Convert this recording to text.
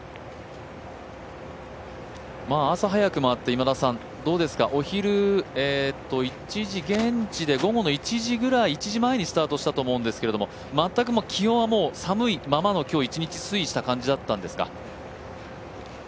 朝早く回って現地で午後の１時前くらいにスタートしたと思うんですけど、全く気温は寒いままの今日１日推移した感じだったんですか？